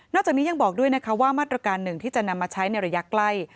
จากนี้ยังบอกด้วยนะคะว่ามาตรการหนึ่งที่จะนำมาใช้ในระยะใกล้